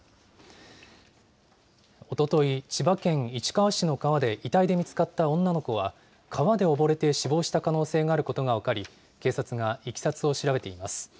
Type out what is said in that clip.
おととい、千葉県市川市の川で遺体で見つかった女の子は、川で溺れて死亡した可能性があることが分かり、警察がいきさつを調べています。